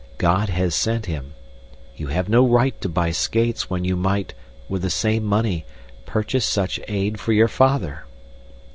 "God has sent him. You have no right to buy skates when you might, with the same money, purchase such aid for your father!"